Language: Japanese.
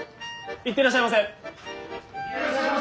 行ってらっしゃいませ！